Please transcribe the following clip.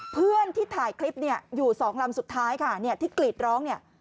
เพื่อนที่ถ่ายคลิปอยู่๒ลำสุดท้ายค่ะที่กรีดร้อง